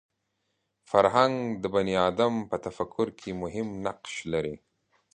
فرهنګ د بني ادم په تفکر کې مهم نقش لري